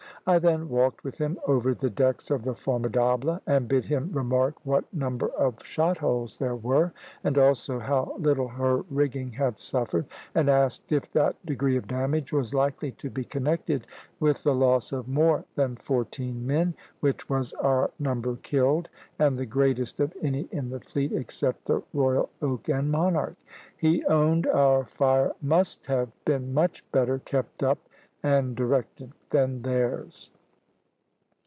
I then walked with him over the decks of the 'Formidable,' and bid him remark what number of shot holes there were, and also how little her rigging had suffered, and asked if that degree of damage was likely to be connected with the loss of more than fourteen men, which was our number killed, and the greatest of any in the fleet, except the 'Royal Oak' and 'Monarch.' He ... owned our fire must have been much better kept up and directed than theirs."